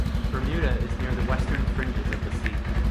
Bermuda is near the western fringes of the sea.